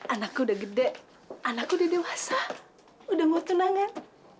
anakku udah gede anakku udah dewasa udah mau tunangan